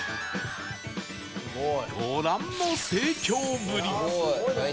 ご覧の盛況ぶり